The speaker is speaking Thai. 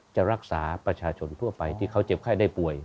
จะรักษาประชาชนทั่วไปที่เขาเจ็บไข้ได้ป่วย